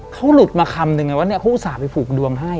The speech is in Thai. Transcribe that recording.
เขาหลุดมาคำนึงไงว่าเนี่ยเขาอุตส่าห์ไปผูกดวงให้